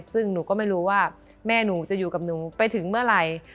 ซึ่งหนูก็ไม่รู้ว่าแม่หนูจะอยู่กับหนูไปถึงเมื่อไหร่